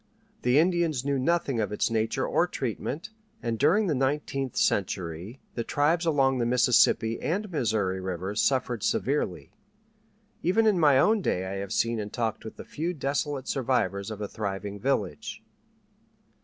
The Indians knew nothing of its nature or treatment, and during the nineteenth century the tribes along the Mississippi and Missouri rivers suffered severely. Even in my own day I have seen and talked with the few desolate survivors of a thriving village.